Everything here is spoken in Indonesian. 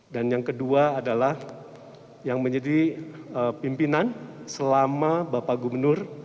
dan yang kedua adalah yang menjadi pimpinan selama bapak gubernur